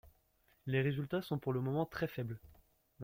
Les résultats sont pour le moment très faibles.